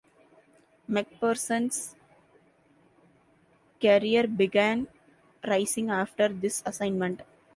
McPherson's career began rising after this assignment.